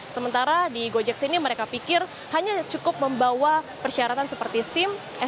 sementara di gojek sini mereka pikir hanya cukup membawa persyaratan seperti sim